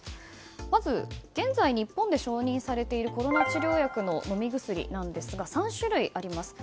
まず、現在日本で承認されているコロナ治療薬の飲み薬ですが、３種類あります。